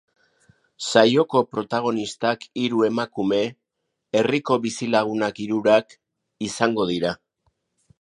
Saioko protagonistak hiru emakume, herriko bizilagunak hirurak, izango dira.